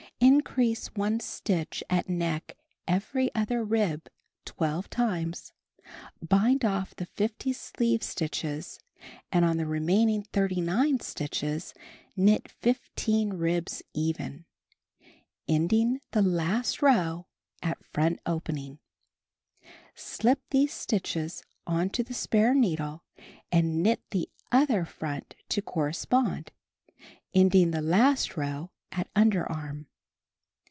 Increase one stitch at neck every other rib 12 times, bind off the 50 sleeve stitches and on the remaining 39 stitches knit 15 ribs even, ending the last row at front opening; slip these stitches on to the spare needle and knit the other front to correspond, ending the last row at underarm.